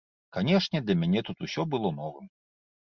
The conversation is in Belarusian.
Канечне, для мяне тут усё было новым.